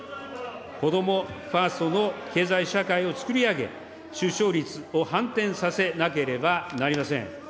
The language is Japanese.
こどもファーストの経済社会を作り上げ、出生率を反転させなければなりません。